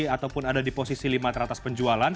ataupun ada di posisi lima teratas penjualan